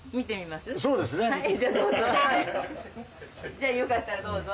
じゃあよかったらどうぞ。